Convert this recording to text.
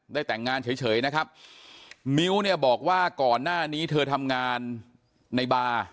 แต่งงานเฉยนะครับมิ้วเนี่ยบอกว่าก่อนหน้านี้เธอทำงานในบาร์